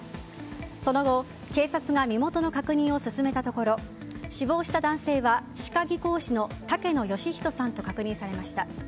その後、警察が身元の確認を進めたところ死亡した男性は歯科技工士の竹野仁人さんと確認されました。